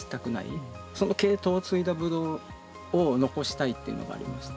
その系統を継いだブドウを残したいっていうのがありまして。